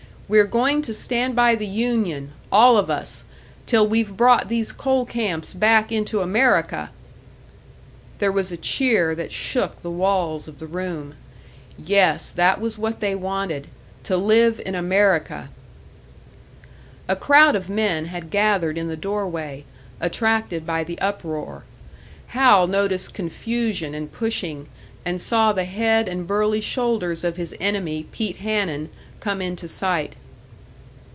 We're going to stand by the union, all of us, till we've brought these coal camps back into America!" There was a cheer that shook the walls of the room. Yes, that was what they wanted to live in America! A crowd of men had gathered in the doorway, attracted by the uproar; Hal noticed confusion and pushing, and saw the head and burly shoulders of his enemy, Pete Hanun, come into sight.